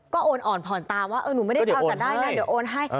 ก็โอนอ่อนผ่อนตาว่าเออหนูไม่ได้เอาแต่ได้นะเดี๋ยวโอนให้